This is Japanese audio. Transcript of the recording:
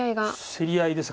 競り合いです